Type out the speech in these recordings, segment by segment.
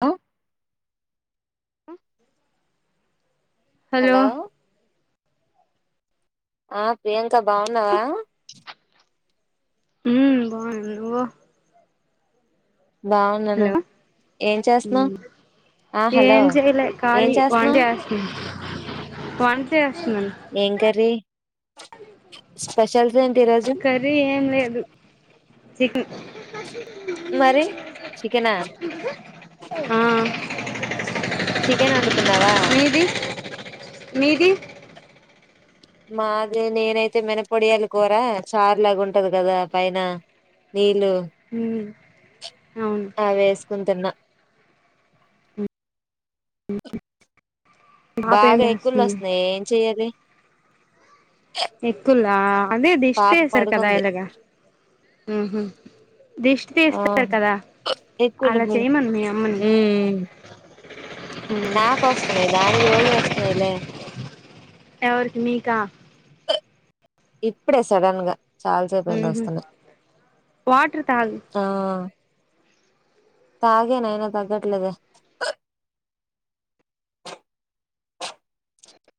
ఆ ఆ హలో ఆ ప్రియాంక బాగున్నావా ఆ బాగున్న నువ్వు బాగున్నాను హలో ఏం చేస్తున్నావు ఏం చేయలే కాలి వాంటే ఆశ వంట చేస్తున్న ఏం కర్రీ స్పెషల్స్ ఏంటి ఈరోజు కర్రీ ఏం లేదు చికెన్ మరి చికెనా ఆ చికెన్ వండుతున్నావా మీది మీది మాది నేనైతే మినపొడియాల కూర చార్లాగా ఉంటది కదా పైన నీళ్ళ ఉమ్ అవును ఆ వేసుకుంటున్నా హ్మ్మ్ బాగా ఎక్కిళ్ళు వస్తున్నాయి ఏం చెయ్యాలి ఎక్కులా అదే అది దిష్టి పాప తీశారు కదా పడుకుంది ఎలాగా దిష్టి ఆ తీస్తారు కదా ఎక్కువలు అలా ఉమ్ చేయమను మీ అమ్మని ఉమ్. నాకు వస్తున్నాయి దానికి రోజు వస్తున్నాయిలే ఎవరికి మీకా ఇప్పుడే సడన్ గా చాలాసేపు అయింది ఉహు వస్తలే వాటర్ తాగు ఆ ఆ తాగేనయినా తగ్గట్లేదే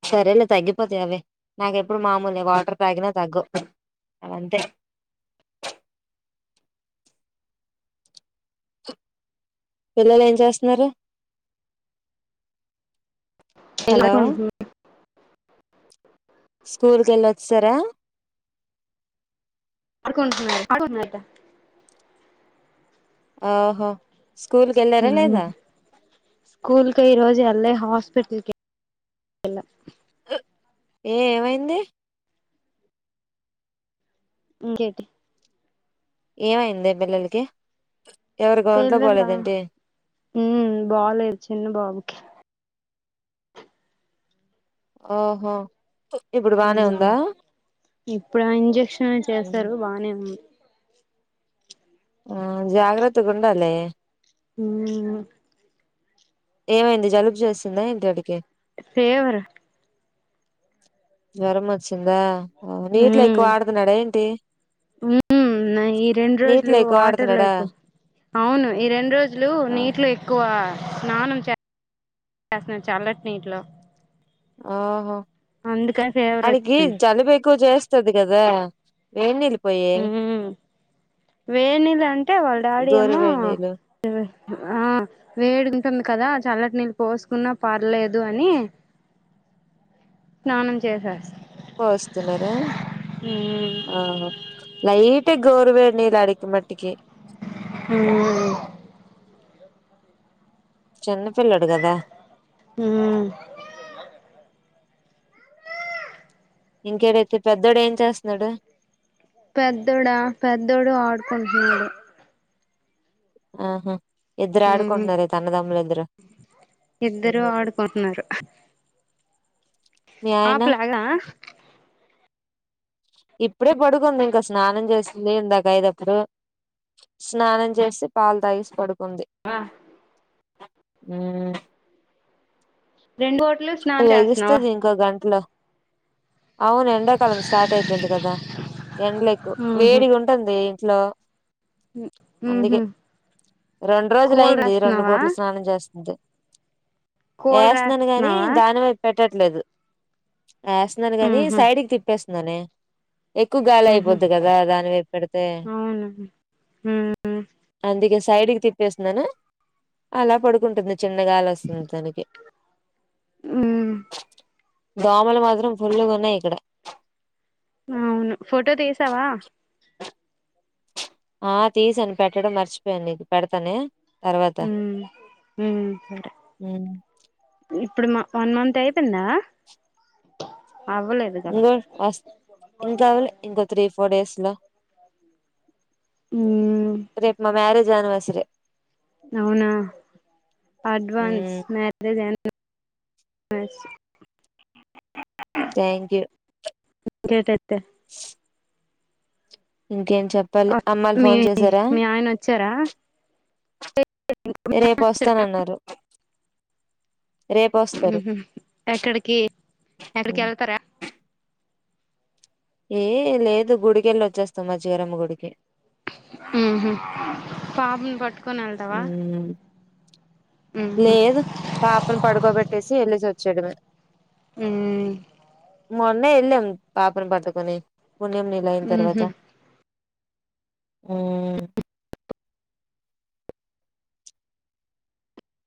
సరేలే తగ్గిపోతా అవే నాకెప్పుడు మామూలే వాటర్ తాగిన తగ్గు అవి అంతే పిల్లలు ఏం చేస్తున్నారు హలో [unintelligible] స్కూల్ వెళ్ళొచ్చ సారా ఆడుకుంటున్నారు ఓహా స్కూల్ కై రోజూ లే హాస్పిటల్కి ఏ ఏమైంది ఇకేంటి ఏమయిందే పిల్లలకి ఎవరి గౌంట్లో పిల్లల పోలేదేంటి మ్మ్ బాగలే చిన్న బాబుకి ఓ హో మ్మ్ హ్హ్ ఇప్పుడు ఆ ఇంజక్షన్ చేసరు బానే ఉంది ఆ జాగ్రత్తగుండాలే మ్మ్ హ్హ్ ఏమైంది జలుబు చేసిందా ఏంటి వాడికి ఫేవరు జ్వరం వచ్చిందా నీటిలో ఎక్కువ ఆడుతున్నాడా ఏంటి మ్మ్ హ్హ్ ఈ రెండు రోజులు నీటిలో ఎక్కువ వాటర్ లో ఆడుతున్నాడా ఎక్కువ అవును ఈ రెండు రోజులు నీట్లో ఎక్కువ స్నానం చేసాడు చల్లటి నీటి తో మ్మ్ హ్ ఫేవర్ వాడికి వచ్చేసింది జలుబు ఎక్కువ చే స్తది కదా వేడి నీళ్లు మ్మ్ హ్హ్ వేడి నీళ్లు అంటే వాళ్ళ డాడీ గోరు ఏమో వేడి నీళ్ళు ఆ వేడి ఉంటుంది కదా చల్లటి నీళ్ళు పోసుకున్నా పర్లేదు అని స్నానం పొ స్తూన్నారా ఆహా లైట్ గోరువేచ్చని నీళ్లు వాడి మట్టికి హు చిన్నపిల్లోడు కదా మ్మ్ ఇంకేడైతే పెద్దోడు ఏం చేస్తున్నాడు పెద్దడా పెద్దోడు ఆడుకుంటున్నాడు ఆహా ఇద్దరు ఉమ్ ఆడుకుంటనారా అన్నదమ్ము్లిద్దరూ ఇద్దరు ఆడుకుంటున్నారు ఆ పిల్లోడినా ఇప్పుడే పడుకుంది ఇంకా స్నానం చేస్తుంది ఇందాక అయితప్పుడు స్నానం చేసి పాలు తాగెసి పడుకుంటది అ మ్మ్ హ్ రెండు బోట్లు స్నానం చేస్తున్నావా లెగుస్తది ఇంకో గంటలో అవును ఎండాకాలం స్టార్ట్ అయిపోయింది కదా ఎండలుఎక్కువ ఉహు వేడిగా ఉంటుంది ఇంట్లో ఉహు అందుకే రెండు రోజులు కోల్ అయింది రెండు రాస్తున్నావా పూటలు స్నానం చేస్తుంది కోల్ వేస్తున్నాను గాని రాస్తున్నావా దానివైపు పెట్టట్లేదు వేస్తున్నాను గాని ఉహు సైడ్కి తిప్పేస్తున్నానే ఎక్కువ గాలి ఉహు అయిపోద్ది కదా దాని వైపు పెడితే మ్మ్ హ్ అందుకే సైడ్ కి తిప్పేస్తున్నాను అలా పడుకుంటుంది చల్లగాలి వస్తుంది తనకి మ్మ్ హ్హ్ దోమలు మాత్రం పుళ్లుగున్నాయి ఇక్కడ అవును ఫోటో తీసావా ఆ తీసాను పెట్టడం మర్చిపోయాను నీకు పెడతానే తర్వాత మ్మ్ మ్మ్ హ్ ఇప్పుడు వన్ మంత్ అయితుందా ఇంగా వస్తూ ఇంకావాలే ఇంకొ ట్రీ ఫోర్ డేస్ లో మ్మ్ రేపు మా మ్యారేజ్ అన్నివెర్సరీ అవునా advance marriage anniversary [inaudible] thank you [inaudible] ఇంకేం చెప్పాలి అమ్మాల్లు మీ ఫోన్ చేసారా మీ ఆయన వచ్చారా రేపు వస్తానన్నారు రేపొస్తారు ఉహు ఎక్కడికి ఎక్కడికి వెళ్తారా ఏ లేదు గుడికెళ్ళి వచ్చేస్తాం మా జీరమ్మ గుడికి ఉహు పాపు పట్ ఊ మ్మ్ హ్మ్ లేదు పాప నీ పడుకోబెట్టేసి వెళ్ళిసి వాచ్ చూడమే ఊ మొన్న వెళ్ళాము పాపను పట్టుకొని పుణ్యం నీళ్ళు అయిన మ్మ్ తర్వాత హ్మ్ ఊ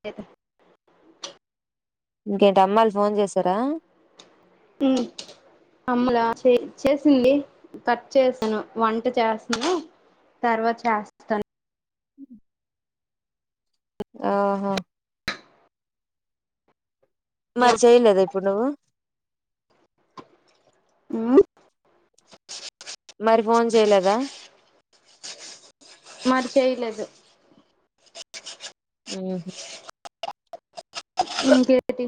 లేదా ఇంకేంటి అమ్మావాళ్ళు ఫోన్ చేసారా ఊ అమ్మలా చే చేసింది కట్ చేసాను వంట చేస్తానను తర్వాత చేస్తాను ఆహా మరి చెయలేదా ఇప్పుడు నువ్వు ఊ మరి ఫోన్ చేయలేదా మరి చేయలేదు ఉహు ఇంకేంటి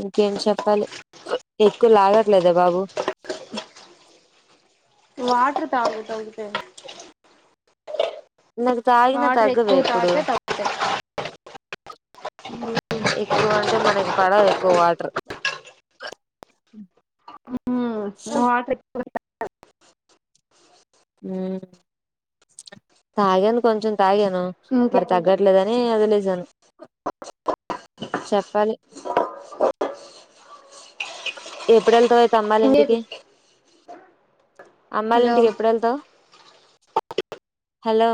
ఇంకేం చెప్పాలి ఎక్కువ లాగట్లేదా బాబు వాటర్ తాగుతావ్ [unintelligible] నాకు తాగినా తగ్గదే ఎక్కువ ఇప్పుడు తాగితే త [inaudible] ఎక్కువ అంటే మనకి పడదు ఎక్కువ వాటర్ ఉ వాటర్ [inaudible] ఉ తాగాను కొంచెం తాగాను మరి ఇంకేది తగ్గట్లేదని వదిలేశాను చెప్పాలి ఎప్పుడు వెళ్తావు ఏ అమ్మోల్ల ఇంకేది ఇంటికి అమ్మాల్ల హలో ఇంటికి ఎప్పుడు వెళ్తావు హలో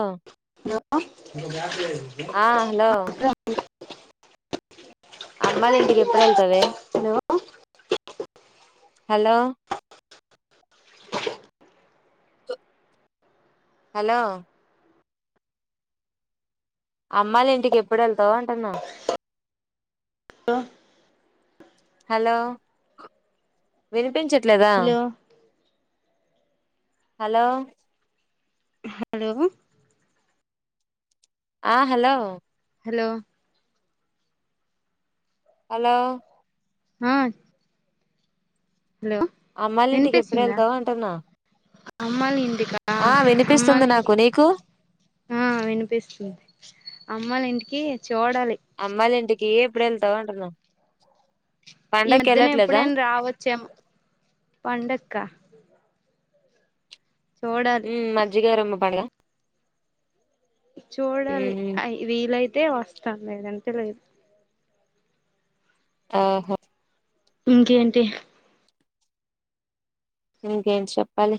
హలో అమ్మాల్ల ఇంటికి ఎప్పుడు వెళ్తవే హలో హలో హలో అమ్మా వాళ్ళ ఇంటికి ఎప్పుడు వెళ్తావ్ అంటున్నా హలో వినిపించే ఇట్లా రా హలో హలో హలో ఆ హలో హలో హలో ఆ హలో అమ్మాయిల ఇంటికి ఎప్పుడు వినిపిస్తుందా వెళ్తావు అంటున్నా మమ్మోలా ఇంటికా ఆ మమ్మోలా వినిపిస్తుంది ఇంటి నాకు నీకు ఆ వినిపిస్తుంది అమ్మోలా ఇంట్ అమ్మాల ఇంటికి ఎప్పుడు వెళ్తావు అంటున్నా ఈ పండగకి మధ్యనే వెళ్ళట్లేదా ఎప్పుడైనా రావచ్చేఏమో పండక్క చూడాలి హ్మ్ మజ్జిగా అరమ్మ పండ్ల చూడాలి ఉమ్, వీలైతే వస్తా లేదు అంటే లేదు ఆహ ఇంకేంటి ఇంకేంటి చెప్పాలి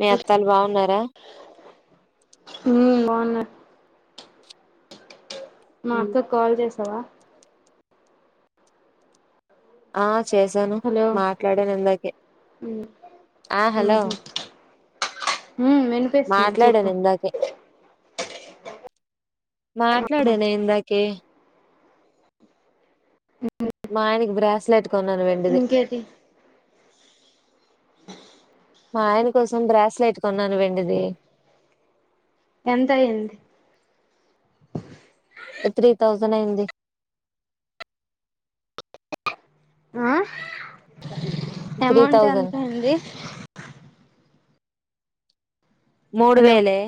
మీ అత్తాలు బాగున్నారా హ్మ్ బాగున్నారు మా అక్క కి కాల్ చేసావా ఆ చేశాను హలో మాట్లాడాను ఇందాకే మ్మ్ ఆ హలో ఉహు ఉమ్ వినిపిస్తుంది చెప్పు మాట్లాడాను ఇందాకే మాట్లాడనే ఇందాకే మా ఆయనకి బ్రాస్ లైట్ కొన్నాను వెండిది ఇంకేటి మా ఆయన కోసం బ్రాస్ లైట్ కొన్నాను వెండిది ఎంత అయింది త్రీ థౌజండ్ అయింది ఆ త్రీ అమౌంట్ ఎంత థౌజండ్ అయింది మూడు హలో వేలే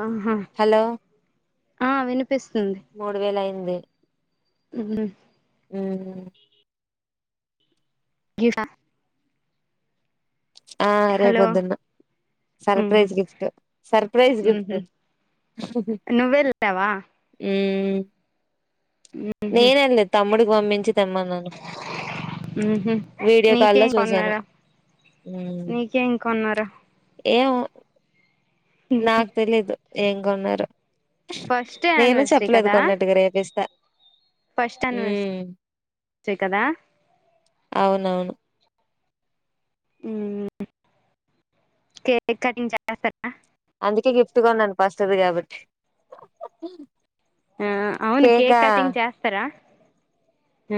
ఆహా హలో ఆ వినిపిస్తుంది ది హ్మ్ హ్మ్ గీఫా ఆ రేప్ హలో పోద్దున్న ఉహు సర్ప్రైజ్ గిఫ్ట్ సర్ప్రైజ్ గిఫ్ట్ ఉహు నువ్వెళ్ళావా హ్మ్ నేనెంది తమ్ముడికి పంపించి తెమ్మన్నను ఉహు వీడియో కాల్ లో నీకేం చూశాను కొన్నారు నీకేం కొన్నరు ఏమో నాక్ తెలీదు ఏం కొన్నారో ఫస్ట్ నేను యానివర్సరీ చెప్పలేదు కదా కొన్నిటికి రేపు ఇస్తా ఫస్ట్ యానివర్సరీ హ్మ్ కదా అవునువును హ్మ్ కేక్ కటింగ్ [unintelligible] అందుకే గిఫ్ట్ కొన్నాను ఫస్ట్ ది కాబట్టి ఆ అవును కేక్ కేకా కటింగ్ చేస్తారా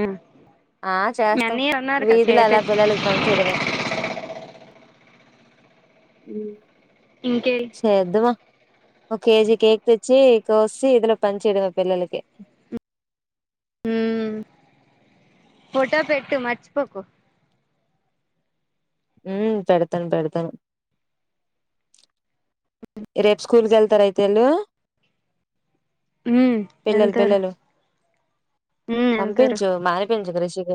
అ ఆ చేస్తాం వీధిలో అలా చేపిస్ పిల్లలకి పంచేేయడమే హ్మ్ ఇంకే చెదమా ఒక కేజీ కేక్ తెచ్చి కోసి విదిలో పంచేయడమే పిల్లలకి హ్మ్ ఫోటో పెట్టు మర్చిపోకు హ్మ్ పెడతాను పెడతాను రేపు స్కూల్ కు వెళ్తార అయితే వీళ్ళు హ్మ్ వెళ్తారు ఉమ్ వెళ్తారు పంపించు మానిపించకు రుషీక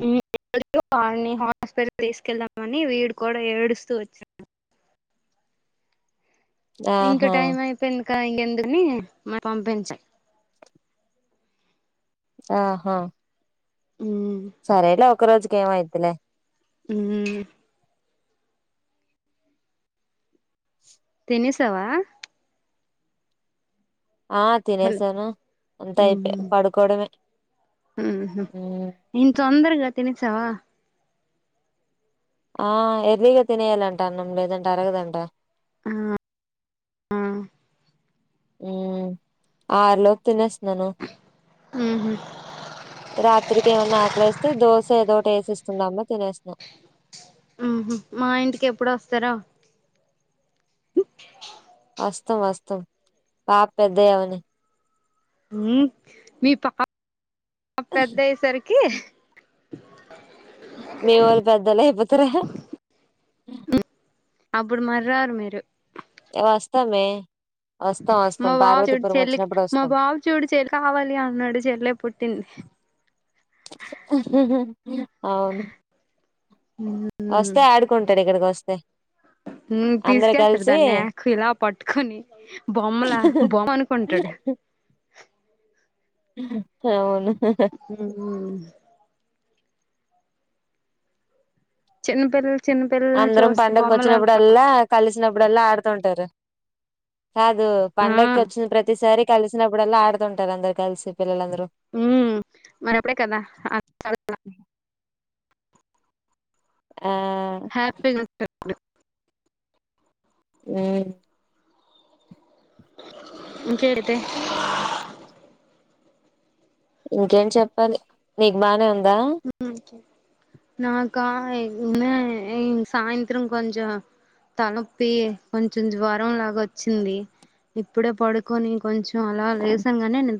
హ్మ్ [unintelligible] వాని హాస్పిటల్ తీసుకెళ్దామ అని వీడు కూడా ఏడుస్తూ వచ్చా ఇంక ఆహా టైం అయిపోయిందిక ఇక ఎందుని పంపించాం ఆహా ఉమ్ సరేలే ఒక రోజుకి ఏమైద్దిలే ఉమ్ తినసవా ఆ హలో తినేసాను అంత అయిపోయి పడుకోవడమే హు హు ఉమ్. ఇంత తొందరగా తినేసావా ఆ ఏర్లీగా తినేయలంటా అన్నము లేదంటే అరగదంట ఆ ఆ ఆఆరు లోపు తినేస్తున్నాను ఉహు రాత్రికి ఏమన్నా ఆకలిస్తే దోశ ఏదోటి ఎసెస్కొని తినేస్తున్న హు హు మా ఇంటికి ఎప్పుడు వస్తారా వస్తాం వస్తాం పాప పెద్దగా అవని మీ పాప పా పెద్ద అయ్యే సరికి మీవాళ్ళు పెద్దళ్ళు అయిపోతారా అప్పుడు మరారు మీరు వస్తాం ఏ వస్తాం మా బాబు చూడు పార్వతీపురం చెల్లి వచ్చినప్పుడు మా వస్తాం బాబు చూడు చెల్లి కావాలి అన్నాడు చెల్లె పుట్టింది హు హు అవును వస్తే ఆడుకుంటాడు ఇక్కడకి వస్త [inaudible] హు పిసికేస్తాడు కలిసి దాన్ని ఇలా పట్టుకొని బొమ్మలా బొమ్మ అనుకుంటాడు [inaudible] అవును ఉహూ చిన్న పిల్ల అందరం పండగ వచ్చినప్పుడల్లా కలిసినప్పుడల్లా ఆడు ఉంటారు కాదు ఆ పండక్కి వచ్చిన ప్రతిసారి కలిసినప్పుడల్లా ఆడుతుంటారు అందరు కలిసి పిల్లలందరు ఊ మరి అప్పుడే కదా హ్యాపీ ఆ హ్యాపీ గా ఉంటారు హు ఇంకేంటి ఇంకేం చెప్పాలి నీకు బానే ఉంది హు నాక నాక సాయంత్రం కొంచం తలలొప్పి కొంచెం జ్వరం లాగ వచ్చింది ఇప్పుడే పడుకొని కొంచెం అలా లేసంగానే నేన్